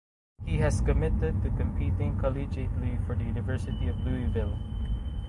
He has committed to competing collegiately for the University of Louisville.